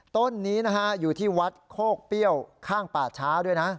ต้นนี้นะฮะอยู่ที่วัดโคกเปรี้ยวข้างป่าช้าด้วยนะ